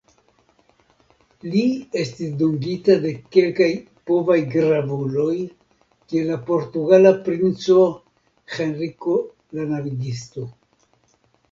Li estis dungita de kelkaj povaj gravuloj kiel la portugala princo Henriko la Navigisto.